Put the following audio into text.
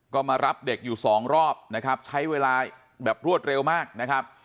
ก็มารับเด็กอยู่สองรอบนะครับใช้เวลาแบบรวดเร็วมากนะครับ